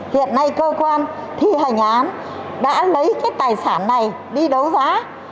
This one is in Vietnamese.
hiện nay cơ quan thi hành án đã lấy cái tài sản này đi đấu giá